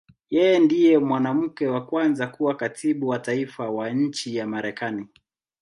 Yeye ndiye mwanamke wa kwanza kuwa Katibu wa Taifa wa nchi ya Marekani.